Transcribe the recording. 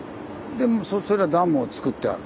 でもうそれはダムをつくってある。